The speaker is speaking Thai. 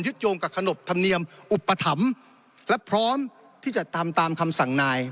โยงกับขนบธรรมเนียมอุปถัมภ์และพร้อมที่จะทำตามคำสั่งนาย